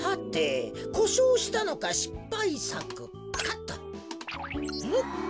こしょうしたのかしっぱいさくかと。